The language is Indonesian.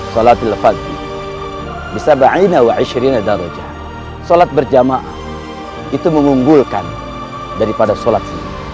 sholatul fadli bisa berani nawa isyirina darjah sholat berjamaah itu mengunggulkan daripada sholat